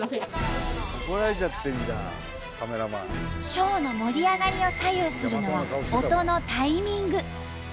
ショーの盛り上がりを左右するのは音のタイミング。